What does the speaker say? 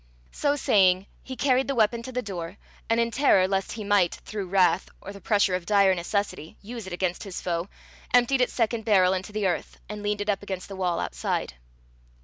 So saying he carried the weapon to the door, and, in terror lest he might, through wrath or the pressure of dire necessity, use it against his foe, emptied its second barrel into the earth, and leaned it up against the wall outside.